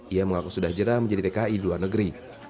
ia mengaku sudah jerah menjadi tki di luar negeri